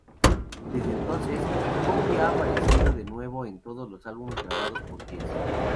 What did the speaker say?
Desde entonces, Howe ha aparecido de nuevo en todos los álbumes grabados por Yes.